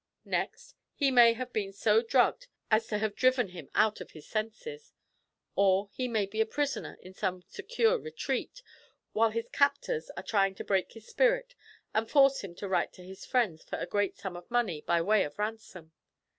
Next, he may have been so drugged as to have driven him out of his senses. Or, he may be a prisoner in some secure retreat, while his captors are trying to break his spirit and force him to write to his friends for a great sum of money by way of ransom.